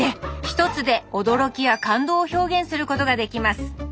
一つで驚きや感動を表現することができます。